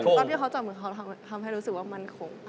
ตอนที่เขาจับมือเขาทำให้รู้สึกว่ามั่นคง